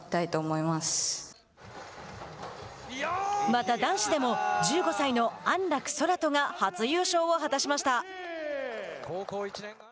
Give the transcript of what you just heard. また男子でも１５歳の安楽宙斗が初優勝を果たしました。